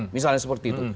misalnya seperti itu